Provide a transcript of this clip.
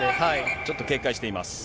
ちょっと警戒しています。